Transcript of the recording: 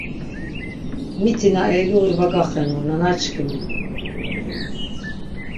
Miti na eyluği va gaxenu, nanaşǩimi.